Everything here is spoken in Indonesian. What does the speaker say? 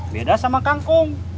beda sama kangkung